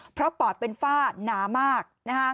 เพราะปอดเป็นฝ้าหนามาก